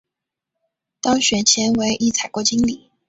当选前为一采购经理。